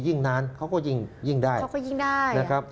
ยิ่งนานเขาก็ยิ่งได้เขาก็ยิ่งได้นะครับ